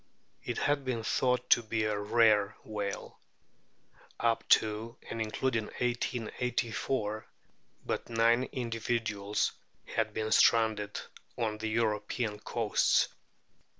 It had been thought to be a rare whale. Up to and including 1884 but nine individuals had been stranded on the European coasts.